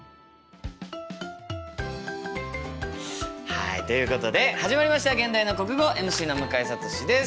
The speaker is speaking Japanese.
はいということで始まりました「現代の国語」ＭＣの向井慧です。